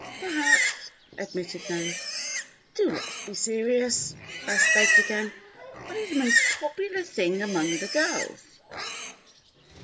"Perhaps," admitted Nan. "Do let's be serious," Bess begged again. "What is the most popular thing among the girls?"